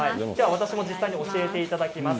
私も実際に教えていただきます。